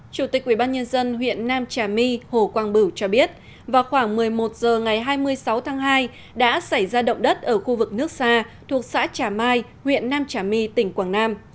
chủ tịch ubnd huyện nam trà my hồ quang bửu cho biết vào khoảng một mươi một h ngày hai mươi sáu tháng hai đã xảy ra động đất ở khu vực nước xa thuộc xã trà mai huyện nam trà my tỉnh quảng nam